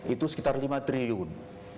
itu sekitar lima triliun